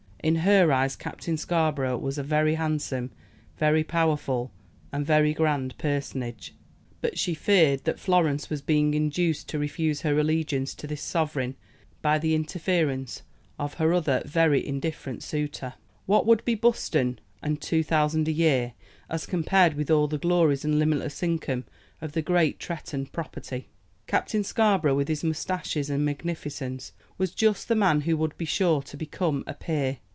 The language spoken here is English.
In her eyes Captain Scarborough was a very handsome, very powerful, and very grand personage; but she feared that Florence was being induced to refuse her allegiance to this sovereign by the interference of her other very indifferent suitor. What would be Buston and two thousand a year, as compared with all the glories and limitless income of the great Tretton property? Captain Scarborough, with his mustaches and magnificence, was just the man who would be sure to become a peer.